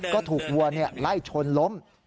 ก็ถูกวัวไล่ชนล้ม